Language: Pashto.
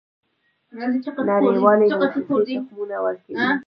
نړیوالې موسسې تخمونه ورکوي.